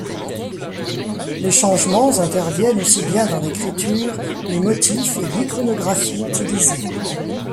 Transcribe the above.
Les changements interviennent aussi bien dans l'écriture, les motifs et l'iconographie utilisés.